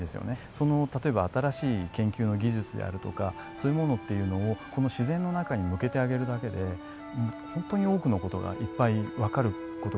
例えば新しい研究の技術であるとかそういうものっていうのをこの自然の中に向けてあげるだけで本当に多くの事がいっぱいわかる事が出てくるんですね。